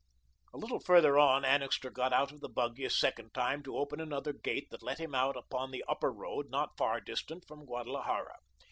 A little farther on, Annixter got out of the buggy a second time to open another gate that let him out upon the Upper Road, not far distant from Guadalajara.